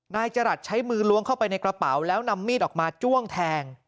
นายจรัสใช้มือล้วงเข้าไปในกระเป๋าแล้วนำมีดออกมาจ้วงแทง